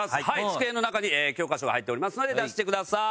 机の中に教科書が入っておりますので出してください。